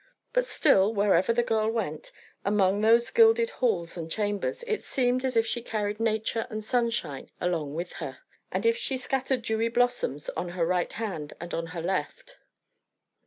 But still, wherever the girl went, among those gilded halls and chambers, it seemed as if she carried nature and sunshine along with her, and as if she scattered dewy blossoms on her right hand and on her left.